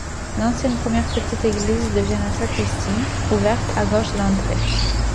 L'ancienne première petite église devient la sacristie, ouverte à gauche de l'entrée.